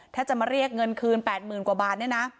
ถ้าจะมาเรียกเงินคืน๘๐๐๐กว่าบาทเนี่ยนะ